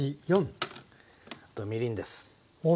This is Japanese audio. あとみりんです。